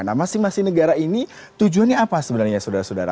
nah masing masing negara ini tujuannya apa sebenarnya saudara saudara